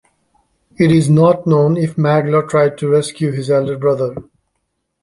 It is not known if Maglor tried to rescue his elder brother.